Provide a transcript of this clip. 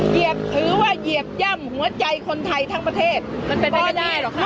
ถือว่าเหยียบย่ำหัวใจคนไทยทั้งประเทศมันเป็นไปไม่ได้หรอกค่ะ